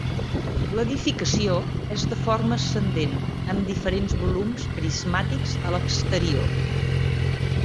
L'edificació és de forma ascendent amb diferents volums prismàtics a l'exterior.